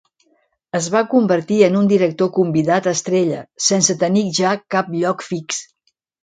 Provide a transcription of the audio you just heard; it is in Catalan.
Es va convertir en un director convidat estrella, sense tenir ja cap lloc fix.